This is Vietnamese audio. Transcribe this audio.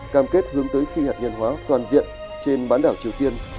cam kết hướng tới phi hạt nhân hóa toàn diện trên bán đảo triều tiên